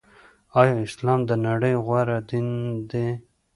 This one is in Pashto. آيا اسلام دنړۍ غوره دين دې